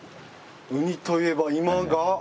ウニといえば今が？